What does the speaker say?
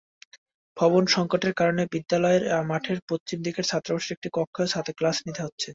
ভবন-সংকটের কারণে বিদ্যালয়ের মাঠের পশ্চিম দিকের ছাত্রাবাসের একটি কক্ষেও ক্লাস নিতে হচ্ছে।